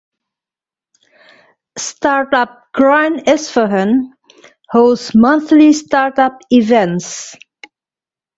Startup Grind Isfahan hosts monthly startup events.